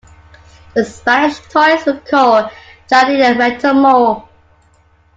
The Spanish toys were called Jadali-Metamol.